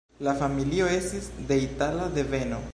La familio estis de itala deveno.